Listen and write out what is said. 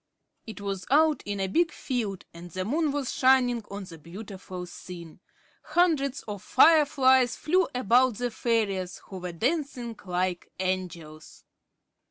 It was out in a big field, and the moon was shining on the beautiful scene. Hundreds of fireflies flew about the fairies, who were dancing like angels.